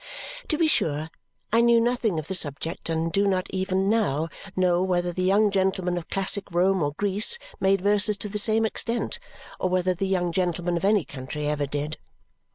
To be sure, I knew nothing of the subject and do not even now know whether the young gentlemen of classic Rome or Greece made verses to the same extent or whether the young gentlemen of any country ever did.